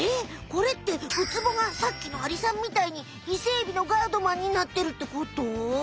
これってウツボがさっきのアリさんみたいにイセエビのガードマンになってるってこと？